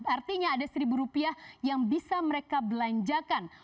artinya ada seribu rupiah yang bisa mereka belanjakan